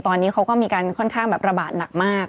ตอนนี้เขาก็มีการค่อนข้างแบบระบาดหนักมาก